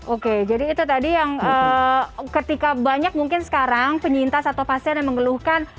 oke jadi itu tadi yang ketika banyak mungkin sekarang penyintas atau pasien yang mengeluhkan